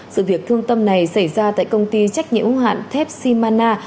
sự việc thương tâm này xảy ra tại công ty trách nhiệm hạn thép cimana